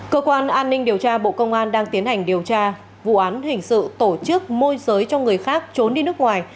vụ cháy đang tiến hành điều tra vụ án hình sự tổ chức môi giới cho người khác trốn đi nước ngoài